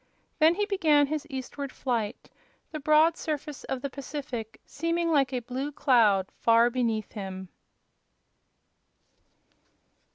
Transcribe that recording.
Then he began his eastward flight, the broad surface of the Pacific seeming like a blue cloud far beneath him.